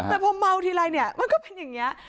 แต่พอเมาทีไรเนี่ยมันก็เป็นอย่างนี้